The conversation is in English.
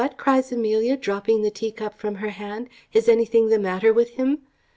cries Amelia, dropping the tea cup from her hand, "is anything the matter with him?"